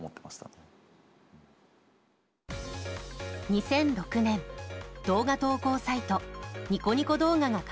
２００６年、動画投稿サイトニコニコ動画が開設。